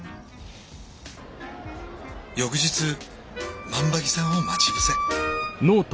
翌日万場木さんを待ち伏せ。